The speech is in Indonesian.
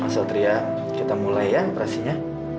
mas altria kita mulai ya operasinya